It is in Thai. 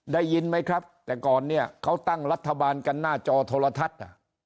ได้ยินไหมครับแต่ก่อนเนี่ยเขาตั้งรัฐบาลกันหน้าจอโทรทัศน์